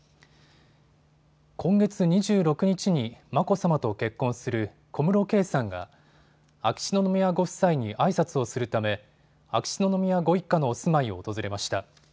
今月２６日に眞子さまと結婚する小室圭さんが秋篠宮ご夫妻にあいさつをするため秋篠宮ご一家のお住まいを訪れました。